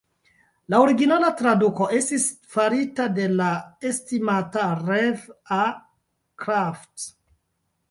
La originala traduko estis farita de la estimata Rev. A. Krafft.